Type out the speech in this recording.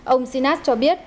ông sinas cho biết